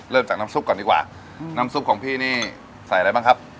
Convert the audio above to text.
เริ่มจากน้ำซุปก่อนดีกว่าน้ำซุปของพี่นี่ใส่อะไรบ้างครับ